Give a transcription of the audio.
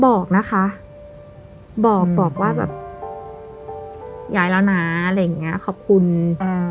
บอกนะคะบอกบอกว่าแบบย้ายแล้วนะอะไรอย่างเงี้ยขอบคุณอ่า